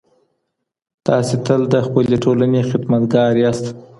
تاسي تل د خپلي ټولني خدمتګار یاست.